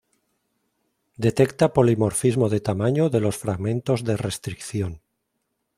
Detecta polimorfismo de tamaño de los fragmentos de restricción.